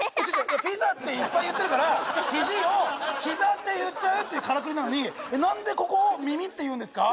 「ピザ」っていっぱい言ってるからヒジを「ヒザ」って言っちゃうっていうカラクリなのになんでここを「耳」って言うんですか？